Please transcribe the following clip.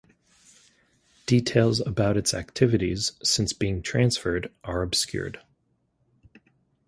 Details about its activities since being transferred are obscured.